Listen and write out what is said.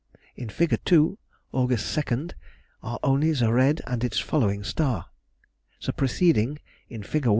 In Fig. 2, August 2nd, are only the red and its following star: the preceding, in Fig.